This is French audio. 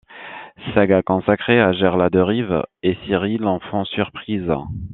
Saga consacrée à Geralt de Riv et Ciri, l’enfant-surprise.